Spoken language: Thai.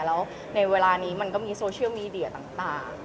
แล้วในเวลานี้มันก็มีโซเชียลมีเดียต่าง